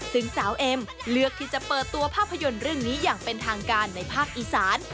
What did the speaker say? ซึ่งสาวเอ็มเลือกที่จะเปิดตัวภาพยนตร์เรื่องนี้อย่างเป็นทางการในภาคอีสาน